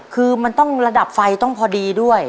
คือมันต้องระดับไฟต้องพอดีด้วย